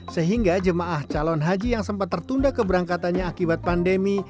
sehingga jemaah calon haji yang sempat tertunda keberangkatannya akibat pandemi